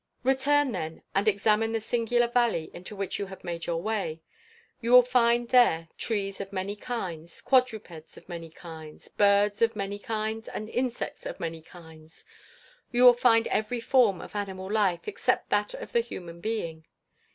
Return then, and examine the singular valley into which you have made your way. You will find there trees of many kinds, quadrupeds of many kinds, birds of many kinds, and insects of many kinds you will find every form of animal life, except that of the human being.